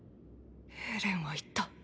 エレンは言った。